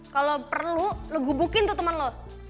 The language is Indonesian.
kalau perlu lo gubukin tuh teman lo